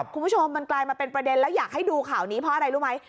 คุณผู้ชมมันกลายมาเป็นประเด็นแล้วอยากให้ดูข่าวนี้เพราะอะไรรู้ไหม